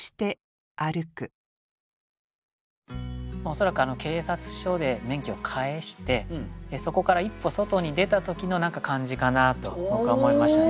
恐らく警察署で免許を返してそこから一歩外に出た時の感じかなと僕は思いましたね。